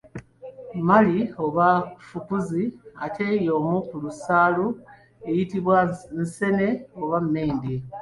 Mali oba ffukuzi ate ey’omu lusaalu eyitibwa Nseene oba Mmende.